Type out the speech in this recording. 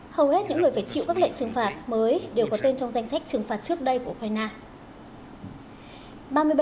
hầu hết những người phải chịu các lệnh trừng phạt mới đều có tên trong danh sách trừng phạt trước đây của ukraine